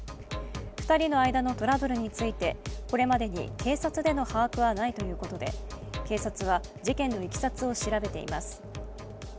２人の間のトラブルについてこれまでに警察での把握はないということで警察は事件のいきさつを調べています。